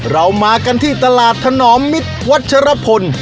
เรามากันที่ตลาดถนอมมิตรวัชรพล